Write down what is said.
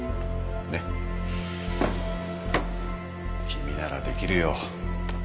君ならできるよ。